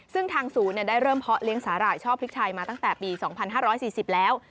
ซึ่งทางศูนย์ได้เริ่มเพาะเลี้ยสาหร่ายช่อพริกชัยมาตั้งแต่ปี๒๕๔๐แล้ว